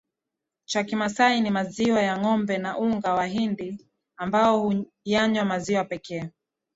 cha Kimasai ni maziwa ya ngombe na unga wa mahindi Wao huyanywa maziwa pekee